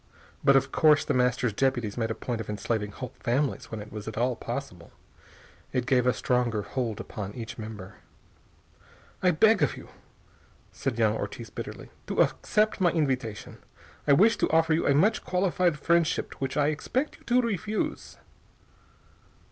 But of course The Master's deputies made a point of enslaving whole families when it was at all possible. It gave a stronger hold upon each member. "I beg of you," said young Ortiz bitterly, "to accept my invitation. I wish to offer you a much qualified friendship, which I expect you to refuse."